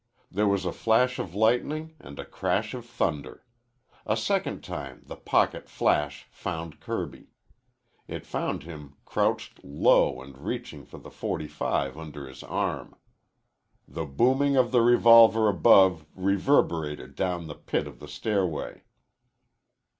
There was a flash of lightning and a crash of thunder. A second time the pocket flash found Kirby. It found him crouched low and reaching for the .45 under his arm. The booming of the revolver above reverberated down the pit of the stairway.